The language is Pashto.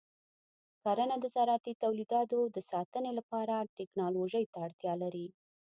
کرنه د زراعتي تولیداتو د ساتنې لپاره ټیکنالوژۍ ته اړتیا لري.